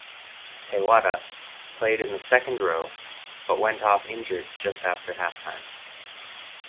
Te Whata played in the second row but went off injured just after halftime.